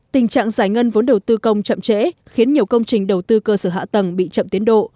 tình trạng giải ngân vốn đầu tư công chậm trễ khiến nhiều công trình đầu tư cơ sở hạ tầng bị chậm tiến độ